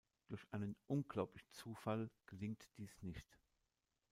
Durch einen unglaublichen Zufall gelingt dies nicht.